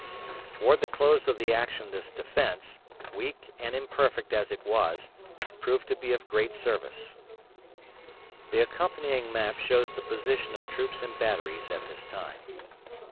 Toward the close of the action this defence, weak and imperfect as it was, proved to be of great service. The accompanying map shows the position of troops and batteries at this time.